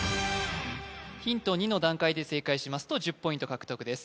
ヒント２の段階で正解しますと１０ポイント獲得です